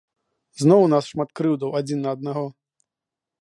Зноў у нас шмат крыўдаў адзін на аднаго.